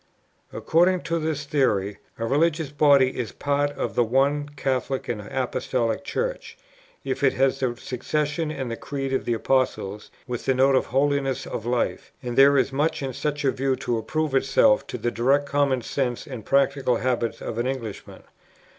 According to this theory, a religious body is part of the One Catholic and Apostolic Church, if it has the succession and the creed of the Apostles, with the note of holiness of life; and there is much in such a view to approve itself to the direct common sense and practical habits of an Englishman.